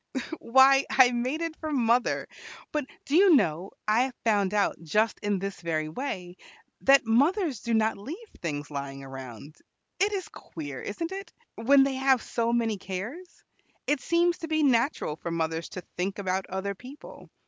"Why, I made it for mother; but, do you know, I have found out just in this very way that mothers do not leave things lying around. It is queer, isn't it, when they have so many cares? It seems to be natural for mothers to think about other people.